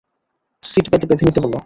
Seat belt বেঁধে নিতে বলো।